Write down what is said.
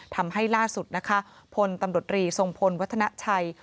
ทำให้ล่าสุดนะคะพลตำรวจรีทรงพลวัฒนาชัย